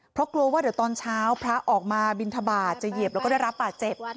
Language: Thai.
เพราะกลัวว่าเดี๋ยวตอนเช้าพระออกมาบินทบาทจะเหยียบแล้วก็ได้รับบาดเจ็บ